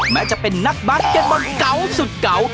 แม้จะเป็นนักบาสเก็ตบอลเก่าสุดเก่า